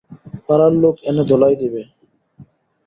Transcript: পাড়ার লোক এনে ধোলাই দেবে।